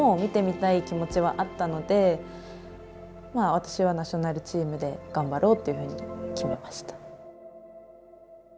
私はナショナルチームで頑張ろうっていうふうに決めました。